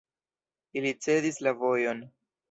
Ili cedis la vojon.